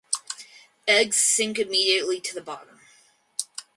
Eggs sink immediately to the bottom.